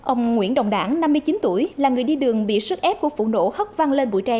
ông nguyễn đồng đảng năm mươi chín tuổi là người đi đường bị sức ép của phụ nữ hất văng lên bụi trè